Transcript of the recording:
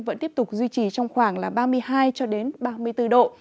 vẫn tiếp tục duy trì trong khoảng là ba mươi hai ba mươi bốn độ